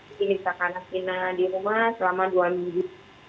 ini misalkan sina di rumah selama dua minggu